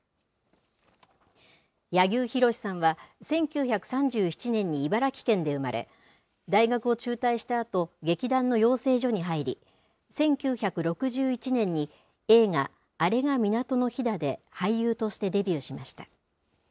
柳生博さんは、１９３７年に茨城県で生まれ、大学を中退したあと、劇団の養成所に入り、１９６１年に映画、あれが港の灯だで俳優としてデビューしました。